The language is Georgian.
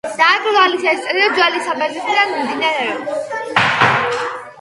დაკრძალვის ეს წესი ძველი საბერძნეთიდან მომდინარეობს.